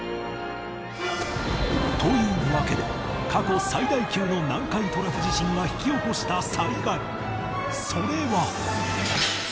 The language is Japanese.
というわけで過去最大級の南海トラフ地震が引き起こした災害それは